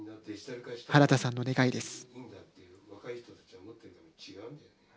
はらださんの願いです。